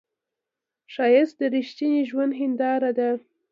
ښایست د رښتینې ژوندو هنداره ده